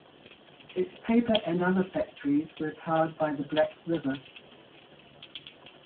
Its paper and other factories were powered by the Black River.